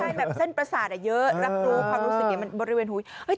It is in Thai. ใช่แบบเส้นประสาทเยอะรับรู้ความรู้สึกเนี่ยมันบริเวณหู